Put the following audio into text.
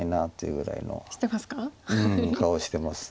うん顔してます。